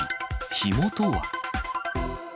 火元は？